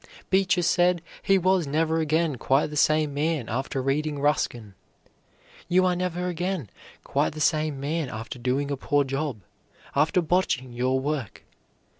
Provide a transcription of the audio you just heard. Beecher said he was never again quite the same man after reading Ruskin. You are never again quite the same man after doing a poor job, after botching your work.